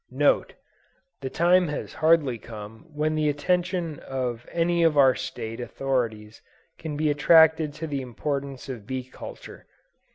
NOTE. The time has hardly come when the attention of any of our State authorities can be attracted to the importance of bee culture.